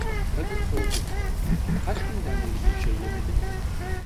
Kadın sordu: "Kaç günden beri bir şey yemedin?"